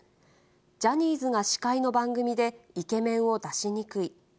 ジャニーズが司会の番組で、イケメンを出しにくい。